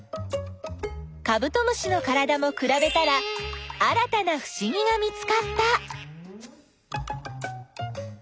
カブトムシのからだもくらべたら新たなふしぎが見つかった。